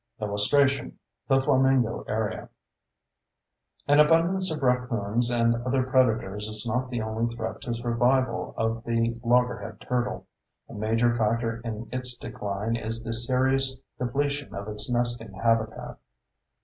[Illustration: THE FLAMINGO AREA] An abundance of raccoons and other predators is not the only threat to survival of the loggerhead turtle. A major factor in its decline is the serious depletion of its nesting habitat.